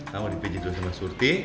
sama dipijit dulu sama surti